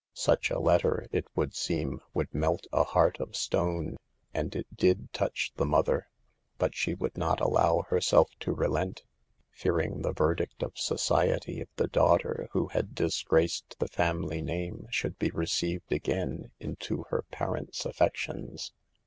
Such a letter, it would seem, would melt a heart of stone, and it did touch the mother, but she would not allow herself to relent, fearing the verdict of society if the daughter who had dis graced the family name should be received again into her parents' affections.